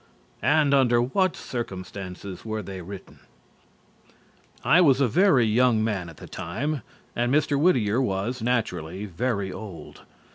And under what circumstances were they written_? I was a very young man at the time, and Mr. Whittier was, naturally, very old.